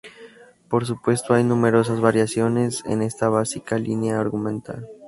Por supuesto, hay numerosas variaciones en esta básica línea argumental.